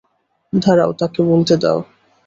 দাড়াও, তাকে বলতে দাও।